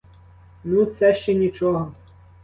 Ну, це ще нічого.